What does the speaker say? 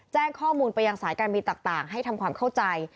แจ้งข้อมูลไปยังสายการบินต่างให้ทำความเข้าใจ